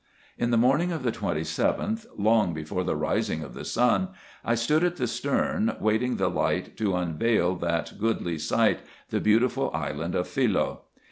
In the morning of the 27th, long before the rising of the sun, I stood at the stern, waiting the light to unveil that goodly sight, the beautiful island of Philoe.